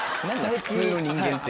「普通の人間」って。